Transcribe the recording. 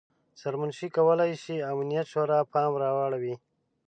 سرمنشي کولای شي امنیت شورا پام راواړوي.